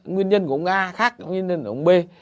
nguyên nhân của ông a khác với nguyên nhân của ông b